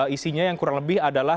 isinya yang kurang lebih adalah